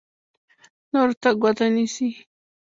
نورو ته ګوته نیسي.